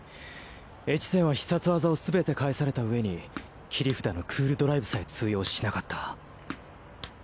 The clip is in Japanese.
越前は必殺技をすべて返されたうえに切り札のＣＯＯＬドライブさえ通用しなかった。